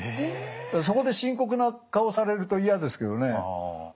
そこで深刻な顔されると嫌ですけどね。